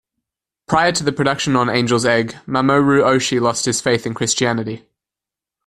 Prior to the production on "Angel's Egg", Mamoru Oshii lost his faith in Christianity.